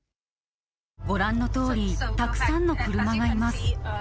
ご覧のとおり、たくさんの車がいます。